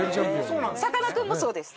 さかなクンもそうです。